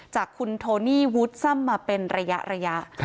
จากคุณโทนี่วุฒิซ่ำมาเป็นระยะ